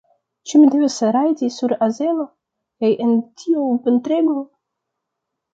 Ĉu mi devas rajdi sur azeno? kaj en tiu ventrego?